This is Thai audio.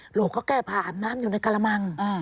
หลุกเขาด้านหน้าอยู่ในกาลมัง